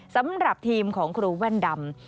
สำหรับทีมของครูแว่นดำ